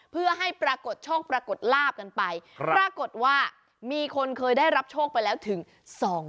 เพื่อให้ปรากฏโชคปรากฏลาบกันไปปรากฏว่ามีคนเคยได้รับโชคไปแล้วถึง